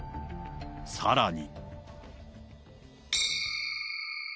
さらに。